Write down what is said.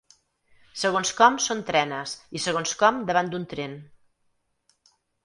Segons com, són trenes, i segons com davant d'un tren.